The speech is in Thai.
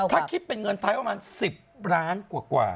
ถ้าคิดเป็นเงินไทยประมาณ๑๐ล้านกว่า